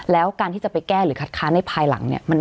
แล้วการที่จะไปแก้หรือคัดค้านในภายหลังเนี่ย